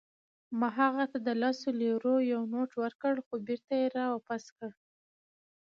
ما هغه ته د لسو لیرو یو نوټ ورکړ، خو بیرته يې راواپس کړ.